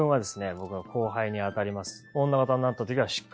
僕の後輩にあたります。